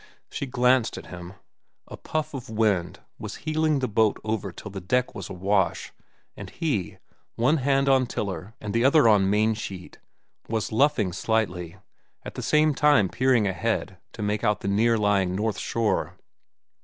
She glanced at him. A puff of wind was heeling the boat over till the deck was awash, and he, one hand on tiller and the other on main sheet, was luffing slightly, at the same time peering ahead to make out the near lying north shore.